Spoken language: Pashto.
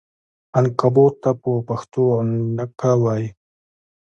عنکبوت ته په پښتو غڼکه وایې!